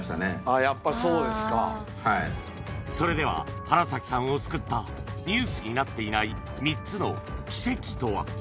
やっぱそうですかはいそれでは原崎さんを救ったニュースになっていない３つの奇跡とは？